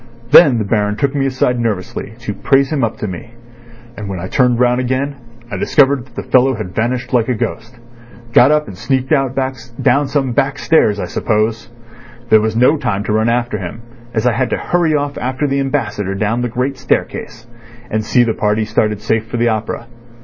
Then the Baron took me aside nervously to praise him up to me, and when I turned round again I discovered that the fellow had vanished like a ghost. Got up and sneaked out down some back stairs, I suppose. There was no time to run after him, as I had to hurry off after the Ambassador down the great staircase, and see the party started safe for the opera.